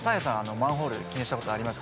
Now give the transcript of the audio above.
マンホール気にしたことあります？